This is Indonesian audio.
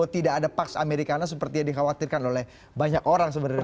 tidak ada paks amerika seperti yang dikhawatirkan oleh banyak orang sebenarnya